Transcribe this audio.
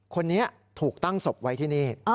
คนนี้ถูกตั้งศพไว้ที่นี่